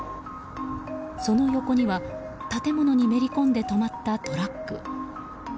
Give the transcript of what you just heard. その横には、建物へめり込んで止まったトラック。